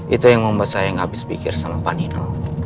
itu yang membuat saya gak habis pikir sama pak nino